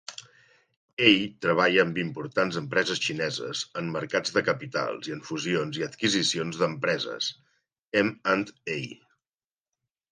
Ell treballa amb importants empreses xineses en mercats de capitals i en fusions i adquisicions d'empreses (M and A)